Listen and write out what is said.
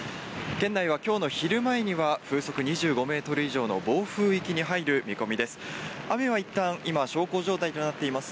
県内は今日の昼前には風速２５メートル以上の暴風域に入る見込みです。